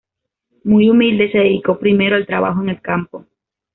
Muy humilde, se dedicó primero al trabajo en el campo.